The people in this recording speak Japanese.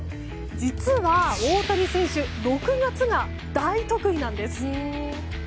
実は、大谷選手６月が大得意なんです。